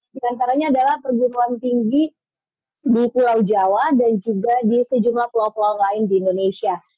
di antaranya adalah perguruan tinggi di pulau jawa dan juga di sejumlah pulau pulau lain di indonesia